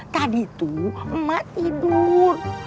tadi itu emak tidur